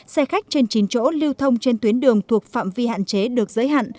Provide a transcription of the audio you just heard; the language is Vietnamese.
xe khách trên chín chỗ lưu thông trên tuyến đường thuộc phạm vi hạn chế được giới hạn